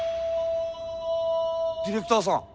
ディレクターさん！？